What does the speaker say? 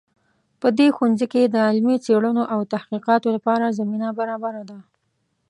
په دې ښوونځي کې د علمي څیړنو او تحقیقاتو لپاره زمینه برابره ده